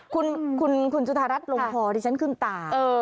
คุณจุธารัฐลงคอดิฉันขึ้นตา